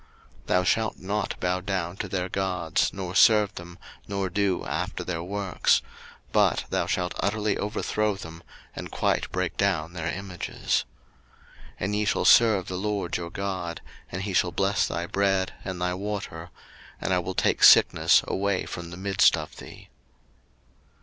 02:023:024 Thou shalt not bow down to their gods, nor serve them, nor do after their works: but thou shalt utterly overthrow them, and quite break down their images. 02:023:025 And ye shall serve the LORD your God, and he shall bless thy bread, and thy water; and I will take sickness away from the midst of thee.